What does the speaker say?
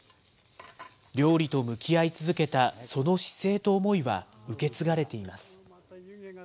料理と向き合い続けたその姿勢と思いは、受け継がれています。